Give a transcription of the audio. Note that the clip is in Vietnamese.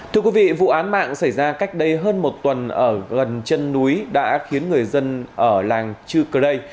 thưa quý vị vụ án mạng xảy ra cách đây hơn một tuần ở gần chân núi đã khiến người dân ở làng chư cơ rây